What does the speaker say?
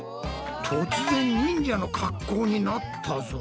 突然忍者の格好になったぞ。